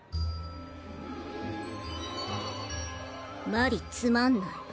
マリつまんない。